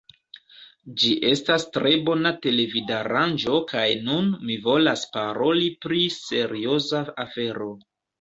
Ĝi estas tre bona televidaranĝo kaj nun mi volas paroli pri serioza afero